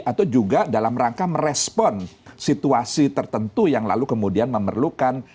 atau juga dalam rangka merespon situasi tertentu yang lalu kemudian memerlukan